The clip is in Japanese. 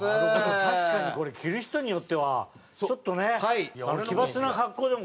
確かにこれ着る人によってはちょっとね奇抜な格好でも格好良くなるもんね。